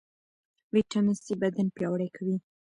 ویټامین سي بدن پیاوړی کوي.